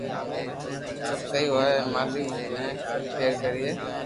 سب سھي ھوئي ھين مالڪ بي سب کير ڪرئي